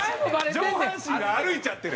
上半身が歩いちゃってる。